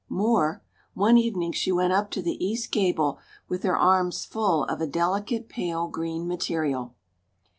More one evening she went up to the east gable with her arms full of a delicate pale green material.